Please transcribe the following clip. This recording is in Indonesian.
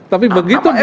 tapi begitu dia